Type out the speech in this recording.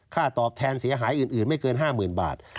ตอบแทนเสียหายอื่นไม่เกิน๕๐๐๐บาท